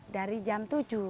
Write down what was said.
dari jam tujuh